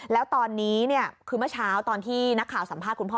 แล้วตอนนี้คือเมื่อเช้าตอนที่นักข่าวสัมภาษณ์คุณพ่อ